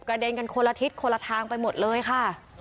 เด็นกันคนละทิศคนละทางไปหมดเลยค่ะ